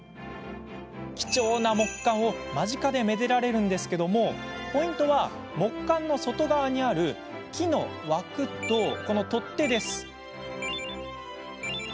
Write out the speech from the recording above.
貴重な木簡を間近で、めでられるんですがポイントは木簡の外側にある木の枠と、この取っ手。